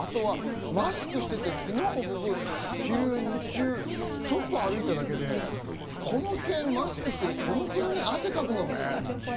マスクをしていて、昨日も僕、日中、ちょっと歩いただけでこのへん、マスクをしてるこのへんに汗をかくのね。